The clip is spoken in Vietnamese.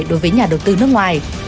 đối với nhà đầu tư nước ngoài